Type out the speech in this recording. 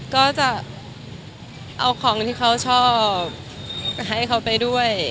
ก็จะเอาของที่เขาชอบให้เขาไปด้วย